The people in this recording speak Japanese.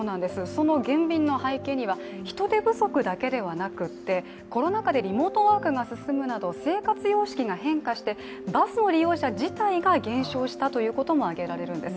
その減便の背景には人手不足だけではなくて、コロナ禍でリモートワークが進むなど生活様式が変化して、バスの利用者自体が減少したということも挙げられるんです。